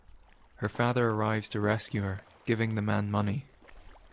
Her father arrives to rescue her, giving the man money.